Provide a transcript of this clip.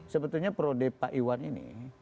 sebetulnya pro depa iwan ini